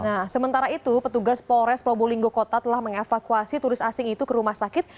nah sementara itu petugas polres probolinggo kota telah mengevakuasi turis asing itu ke rumah sakit